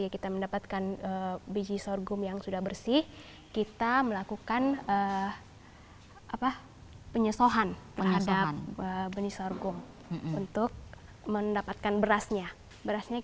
cara memasak beras sorghum pada umumnya mirip seperti memasak beras biasa